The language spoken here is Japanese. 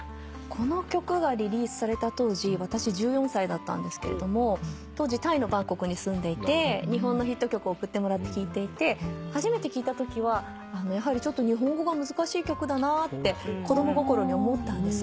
この曲がリリースされた当時私１４歳だったんですけれども当時タイのバンコクに住んでいて日本のヒット曲を送ってもらって聴いていて初めて聴いたときはやはりちょっと日本語が難しい曲だなって子供心に思ったんです。